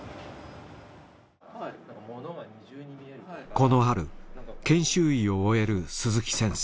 この春研修医を終える鈴木先生。